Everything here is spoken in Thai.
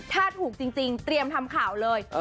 ถ้าถูกจริงเตรียมทำข่าวเลย